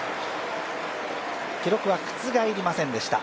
記録は覆りませんでした。